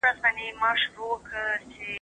بې پلانه تزریق خطر زیاتوي.